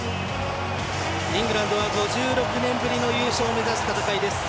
イングランドは５６年ぶりの優勝を目指す戦いです。